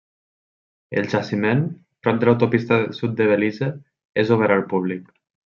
El jaciment, prop de l'autopista sud de Belize, és obert al públic.